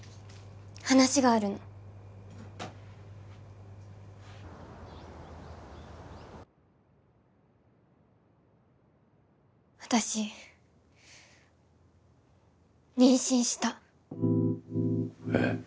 話があるの私妊娠したえっ？